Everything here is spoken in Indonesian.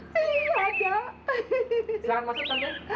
silahkan masuk tante